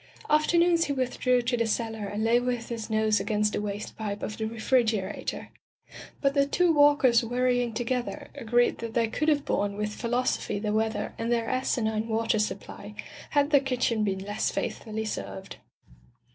Afternoons he with drew to the cellar and lay with his nose against the waste pipe of the refrigerator. But the two Walkers worrying together, agreed that they could have borne with phi losophy the weather and their asinine water supply, had their kitchen been less faithfully served.